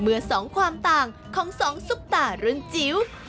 เมื่อ๒ความต่างของ๒สุปตารุญจิ๊ว